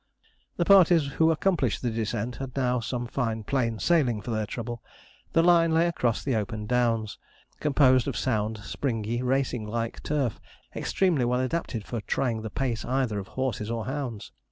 The parties who accomplished the descent had now some fine plain sailing for their trouble. The line lay across the open downs, composed of sound, springy, racing like turf, extremely well adapted for trying the pace either of horses or hounds.